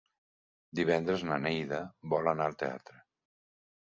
Divendres na Neida vol anar al teatre.